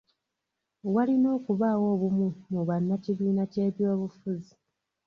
Walina okubaawo obumu mu bannakibiina ky'ebyobufuzi.